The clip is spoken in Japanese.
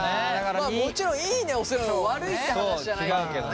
まあもちろんいいねをするのが悪いって話じゃないんだけどね。